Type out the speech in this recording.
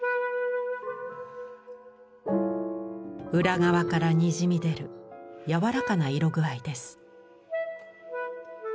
裏側からにじみ出るやわらかな色具合です。